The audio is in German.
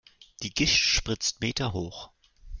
Die Gischt spritzt meterhoch.